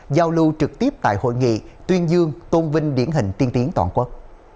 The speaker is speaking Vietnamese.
giao lưu trực tiếp tại hội nghị tuyên dương tôn vinh điển hình tiên tiến toàn quốc